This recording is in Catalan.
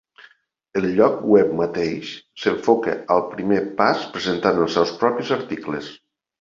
El lloc web mateix s'enfoca al primer pas presentant els seus propis articles.